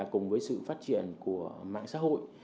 cùng với sự phát triển của mạng xã hội